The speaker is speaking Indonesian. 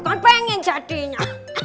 kau pengen jadinya